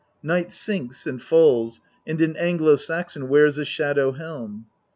Night sinks and falls, and in Anglo Saxon wears a shadow helm.